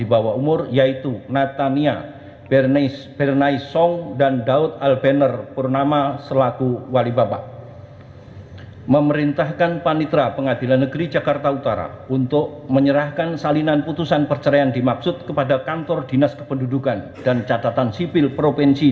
pertama penggugat akan menerjakan waktu yang cukup untuk menerjakan si anak anak tersebut yang telah menjadi ilustrasi